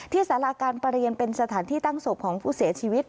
สาราการประเรียนเป็นสถานที่ตั้งศพของผู้เสียชีวิต